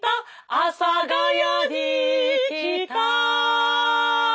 「阿佐ヶ谷に来た」